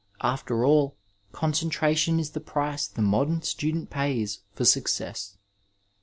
After all, concentration is the price the modem student pays for success.